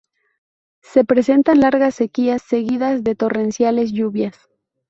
Se presentan largas sequías seguidas de torrenciales lluvias.